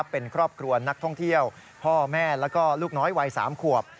เป็นครอบครัวนักท่องเที่ยวพ่อแม่แล้วก็ลูกน้อยวัย๓ขวบ